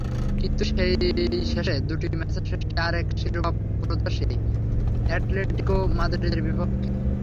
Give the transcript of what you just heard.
কিন্তু সেই শেষ দুটি ম্যাচের শেষটি আরেক শিরোপাপ্রত্যাশী অ্যাটলেটিকো মাদ্রিদের বিপক্ষে।